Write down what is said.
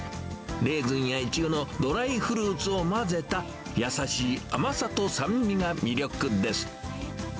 レーズンやイチゴのドライフルーツを混ぜた、優しい甘さと酸味が魅力です。